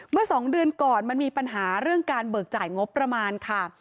เมื่อ๒เดือนก่อนมันมีปัญหาเรื่องการเบิกจ่ายงบประมาณค่ะ